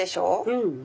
うん！